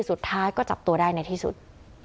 สุดท้ายก็จับตัวได้ในที่สุด